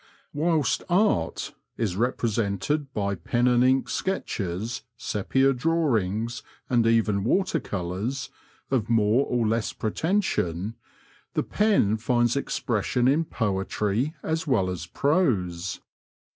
Whilst art (?) is represented by pen and ink sketches, sepia drawings, and even water colours, of more or less pretension, the pen finds expression in poetry as well as prose.